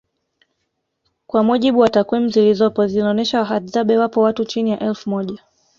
Kwa mujibu wa takwimu zilizopo zinaonesha wahadzabe wapo watu chini ya elfu moja